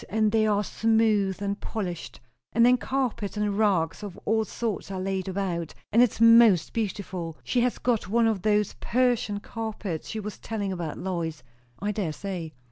And they are smooth and polished; and then carpets and rugs of all sorts are laid about; and it's most beautiful. She has got one of those Persian carpets she was telling about, Lois." "I dare say."